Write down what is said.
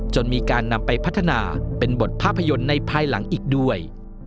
จนมีการนำไปพัฒนาเป็นบทภาพยนตร์ในภายหลังอีกด้วย